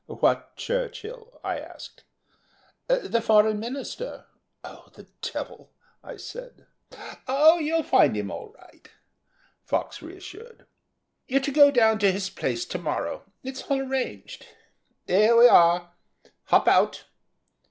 "What Churchill?" I asked. "The Foreign Minister." "The devil," I said. "Oh, you'll find him all right," Fox reassured; "you're to go down to his place to morrow. It's all arranged. Here we are. Hop out."